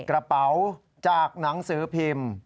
กระเป๋าจากหนังสือพิมพ์